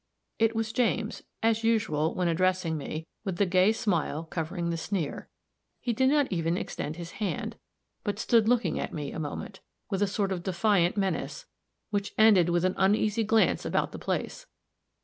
It was James as usual, when addressing me, with the gay smile covering the sneer. He did not even extend his hand, but stood looking at me a moment, with a sort of defiant menace, which ended with an uneasy glance about the place.